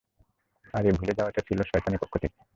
আর এ ভুলে যাওয়াটা ছিল শয়তানের পক্ষ থেকে।